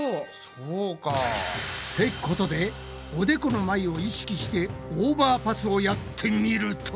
そうか。ってことでおでこの前を意識してオーバーパスをやってみると。